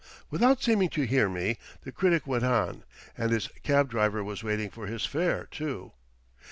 Without seeming to hear me, the critic went on. And his cab driver was waiting for his fare, too.